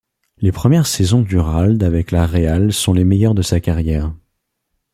Les premières saisons d'Uralde avec la Real sont les meilleures de sa carrière.